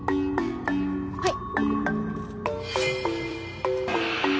はい。